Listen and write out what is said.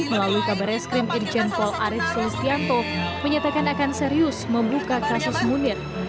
melalui kabar es krim irjen pol arief celestianto menyatakan akan serius membuka kasus munir